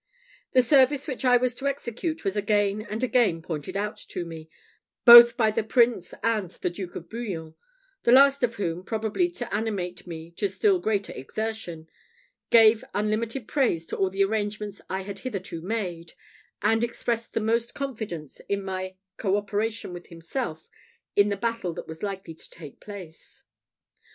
The service which I was to execute was again and again pointed out to me, both by the Prince and the Duke of Bouillon, the last of whom, probably to animate me to still greater exertion, gave unlimited praise to all the arrangements I had hitherto made, and expressed the utmost confidence in my co operation with himself in the battle that was likely to take place.